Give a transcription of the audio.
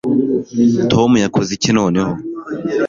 tom yakoze iki noneho